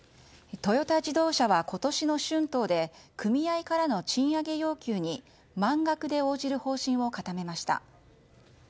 トヨタ自動車は今年の春闘で組合からの賃上げ要求に満額で応じる方針を固めました。